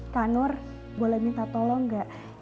kak nur boleh minta tolong gak